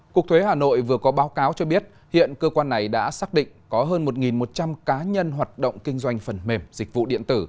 cục thuế hà nội vừa có báo cáo cho biết hiện cơ quan này đã xác định có hơn một một trăm linh cá nhân hoạt động kinh doanh phần mềm dịch vụ điện tử